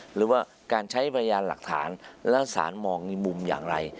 หรือว่าการใช้พยานหลักฐานแล้วสารมองในมุมอย่างไร